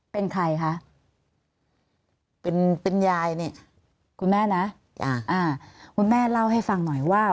เป็นใครคะเป็นเป็นยายนี่คุณแม่นะจ้ะอ่าคุณแม่เล่าให้ฟังหน่อยว่า